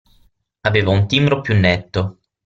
Aveva un timbro più netto.